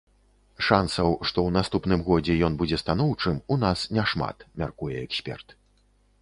Шансаў, што ў наступным годзе ён будзе станоўчым, у нас няшмат, мяркуе эксперт.